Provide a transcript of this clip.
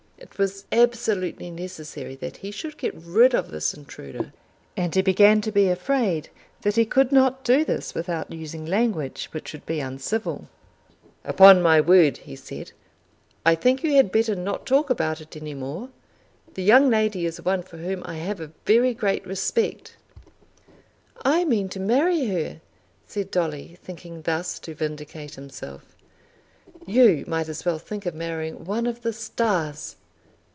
It was absolutely necessary that he should get rid of this intruder, and he began to be afraid that he could not do this without using language which would be uncivil. "Upon my word," he said, "I think you had better not talk about it any more. The young lady is one for whom I have a very great respect." "I mean to marry her," said Dolly, thinking thus to vindicate himself. "You might as well think of marrying one of the stars."